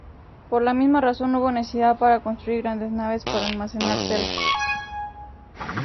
Por la misma razón hubo necesidad de construir grandes naves para almacenar telas.